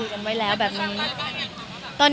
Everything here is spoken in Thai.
มีปิดฟงปิดไฟแล้วถือเค้กขึ้นมา